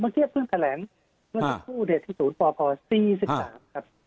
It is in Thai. เมื่อเทียบเครื่องแสดงเมื่อสักครู่เดชน์ที่๐พอ๔๓ครับ